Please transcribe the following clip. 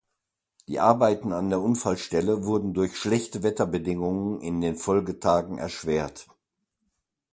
Die Arbeiten an der Unfallstelle wurden durch schlechte Wetterbedingungen in den Folgetagen erschwert.